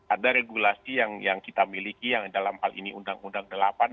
ada regulasi yang kita miliki yang dalam hal ini undang undang delapan